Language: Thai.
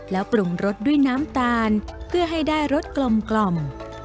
แล้วปรุงรสด้วยน้ำตาลเพื่อให้ได้รสกลม